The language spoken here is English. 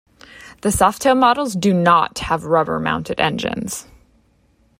The Softail models do not have rubber-mounted engines.